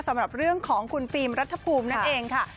สำหรับเรื่องของคุณฟิล์มรัฐภูมินั่นเองค่ะ